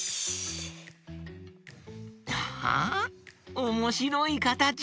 おもしろいかたち！